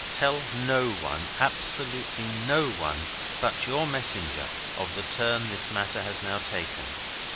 Tell no one absolutely no one but your messenger of the turn this matter has now taken.